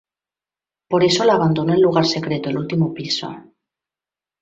Por eso la abandonó en lugar secreto, el último piso.